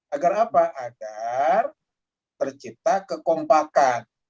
agar apa agar tercipta kekompakan